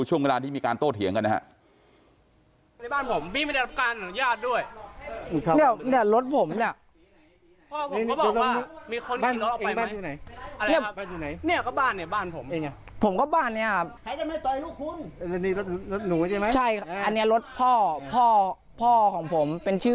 เข้ามาถาม